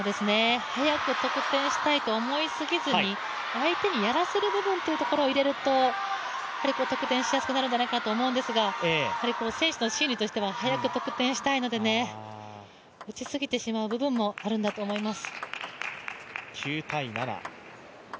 早く得点したいと思いすぎずに相手にやらせる部分というのを入れると得点しやすくなるんじゃないかと思うんですが、選手の心理としては速く得点したいので、打ち過ぎてしまう部分もあるんだと思います。